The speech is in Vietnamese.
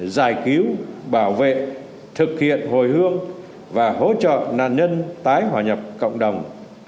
giải cứu bảo vệ thực hiện hồi hương và hỗ trợ nạn nhân tái hòa nhập cộng đồng